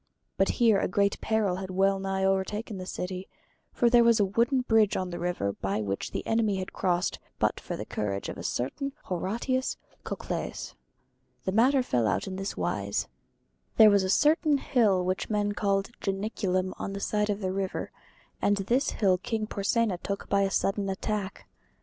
But here a great peril had well nigh over taken the city; for there was a wooden bridge on the river by which the enemy had crossed but for the courage of a certain Horatius Cocles. The matter fell out in this wise. [Footnote 1: King Tarquin had been driven from Rome because of his tyranny.] There was a certain hill which men called Janiculum on the side of the river, and this hill King Porsenna took by a sudden attack.